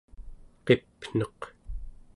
qipneq